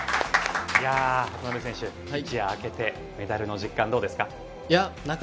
渡辺選手、一夜明けてメダルの実感、どうですか？